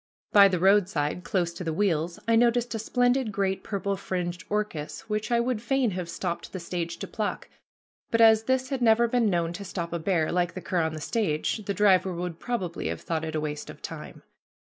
By the roadside, close to the wheels, I noticed a splendid great purple fringed orchis which I would fain have stopped the stage to pluck, but as this had never been known to stop a bear, like the cur on the stage, the driver would probably have thought it a waste of time.